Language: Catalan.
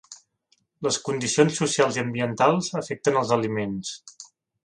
Les condicions socials i ambientals afecten els aliments.